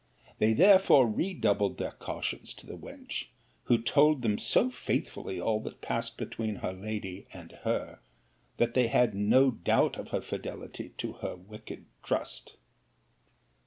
They therefore redoubled their cautions to the wench; who told them so faithfully all that passed between her lady and her, that they had no doubt of her fidelity to her wicked trust.